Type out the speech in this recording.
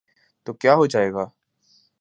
تو کیا ہوجائے گا۔